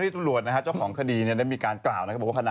เธอก็บางขอโทษนะ